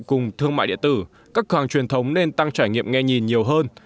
cùng thương mại địa tử các khách hàng truyền thống nên tăng trải nghiệm nghe nhìn nhiều hơn